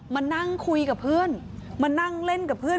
มานั่งคุยกับเพื่อนมานั่งเล่นกับเพื่อน